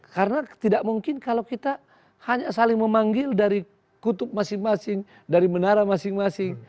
karena tidak mungkin kalau kita hanya saling memanggil dari kutub masing masing dari menara masing masing